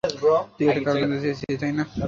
তুই একটা কারণ জানতে চেয়েছিলি, তাই না?